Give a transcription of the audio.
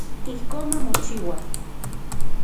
Ijkon mamochiua.